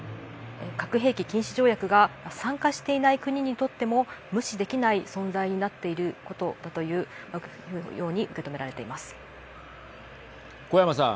核兵器禁止条約が参加していない国にとっても無視できない存在になっていることだというように古山さん。